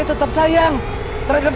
aku akan menganggap